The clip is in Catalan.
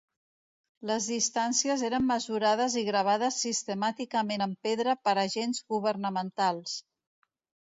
Les distàncies eren mesurades i gravades sistemàticament en pedra per agents governamentals.